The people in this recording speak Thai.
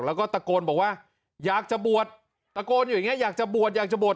แล้วก็ตะโกนบอกว่าอยากจะบวชตะโกนอยู่อย่างเงี้อยากจะบวชอยากจะบวช